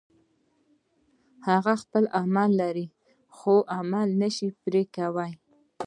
هغه خپل تعریف لري خو عمل نشي پرې کولای.